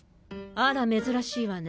あら珍しいわね。